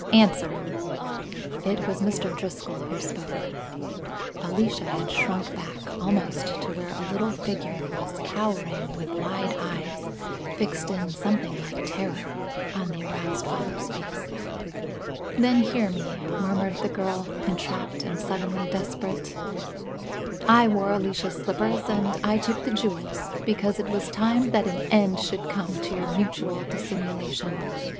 "Answer!" It was Mr. Driscoll who spoke. Alicia had shrunk back, almost to where a little figure was cowering with wide eyes fixed in something like terror on the aroused father's face. "Then hear me," murmured the girl, entrapped and suddenly desperate. "I wore Alicia's slippers and I took the jewels, because it was time that an end should come to your mutual dissimulation.